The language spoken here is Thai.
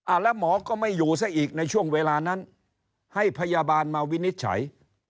แล้วหมอก็ไม่อยู่ซะอีกในช่วงเวลานั้นให้พยาบาลมาวินิจฉัย